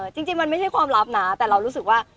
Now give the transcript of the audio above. จริงมันไม่ใช่ความลับนะแต่เรารู้สึกว่า